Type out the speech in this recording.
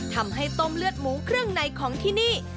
ทำให้ต้มเลือดหมูเครื่องในของที่นี่